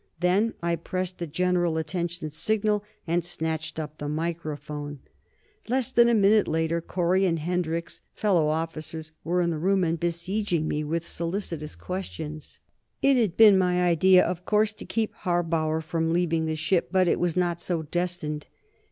Then I pressed the General Attention signal, and snatched up the microphone. Less than a minute later Correy and Hendricks, fellow officers, were in the room and besieging me with solicitous questions. It had been my idea, of course, to keep Harbauer from leaving the ship, but it was not so destined.